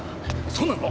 そうなのか？